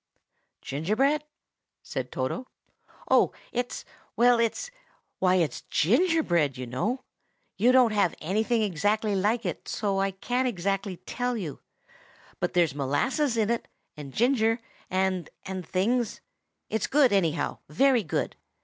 "Gingerbread?" said Toto. "Oh, it's—well, it's—why, it's gingerbread, you know. You don't have anything exactly like it, so I can't exactly tell you. But there's molasses in it, and ginger, and things; it's good, anyhow, very good.